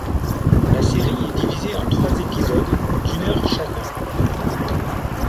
La série est divisée en trois épisodes d'une heure chacun.